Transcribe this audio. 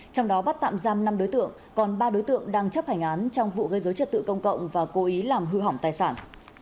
trong đó bắt tạm giam năm đối tượng còn ba đối tượng đang chấp hành án trong vụ gây dối trật tự công cộng và cố ý làm hư hỏng tài sản